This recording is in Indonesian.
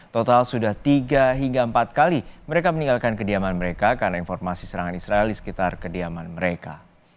total sudah tiga hingga empat kali mereka meninggalkan kediaman mereka karena informasi serangan israel di sekitar kediaman mereka